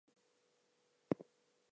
We have the means to help ourselves.